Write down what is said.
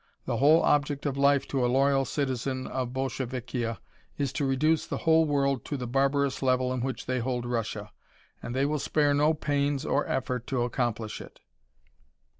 The whole object of life to a loyal citizen of Bolshevikia is to reduce the whole world to the barbarous level in which they hold Russia, and they will spare no pains or effort to accomplish it.